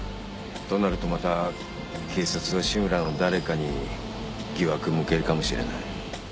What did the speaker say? となるとまた警察は志むらの誰かに疑惑向けるかもしれない。